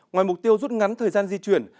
ngoài mục tiêu rút ngắn thời gian di chuyển